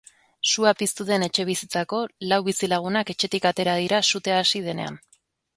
Sua piztu den etxebizitzako lau bizilagunak etxetik atera dira sutea hasi denean.